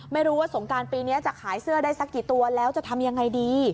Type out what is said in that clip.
ไม่รู้ว่าสงการปีนี้จะขายเสื้อได้สักกี่ตัวแล้วจะทำยังไงดี